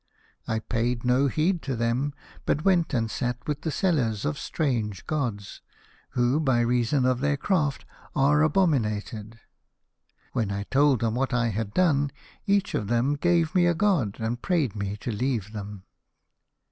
I paid no heed to them, but went and sat with the sellers of strange gods, who by reason of their craft are abominated. When I told them what I had done, each of them gave me a god and prayed me to leave them.